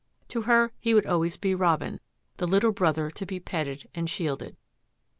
To her he would always be " Robin," the little brother to be petted and shielded.